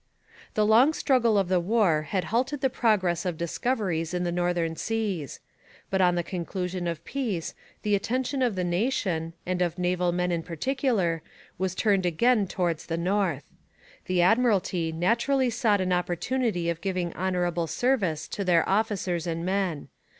The long struggle of the war had halted the progress of discoveries in the northern seas. But on the conclusion of peace the attention of the nation, and of naval men in particular, was turned again towards the north. The Admiralty naturally sought an opportunity of giving honourable service to their officers and men.